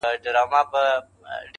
زما او جانان د زندګۍ خبره ورانه سوله,